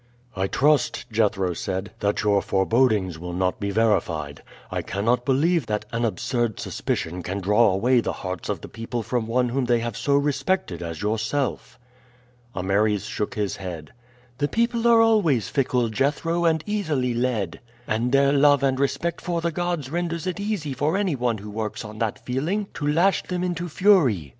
"I trust," Jethro said, "that your forebodings will not be verified. I cannot believe that an absurd suspicion can draw away the hearts of the people from one whom they have so respected as yourself." Ameres shook his head. "The people are always fickle, Jethro, and easily led; and their love and respect for the gods renders it easy for any one who works on that feeling to lash them into fury.